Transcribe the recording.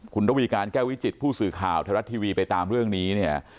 คุณระวีการแก้ววิจิตผู้สื่อข่าวไทยรัฐทีวีไปตามเรื่องนี้เนี่ย